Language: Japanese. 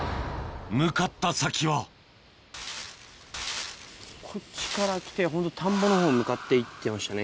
向かった先はこっちから来てホント田んぼのほうに向かって行ってましたね